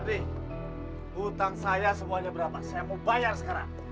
nanti hutang saya semuanya berapa saya mau bayar sekarang